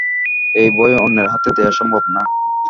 এই বই অন্যের হাতে দেয়া সম্ভব না।